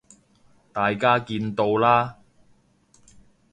大家見到啦